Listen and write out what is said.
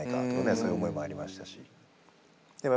そういう思いもありましたし。